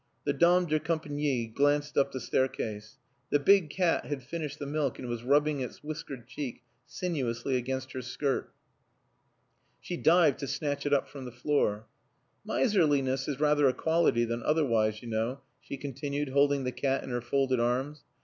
The dame de compagnie glanced up the staircase. The big cat had finished the milk and was rubbing its whiskered cheek sinuously against her skirt. She dived to snatch it up from the floor. "Miserliness is rather a quality than otherwise, you know," she continued, holding the cat in her folded arms.